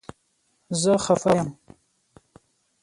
زه خفه یم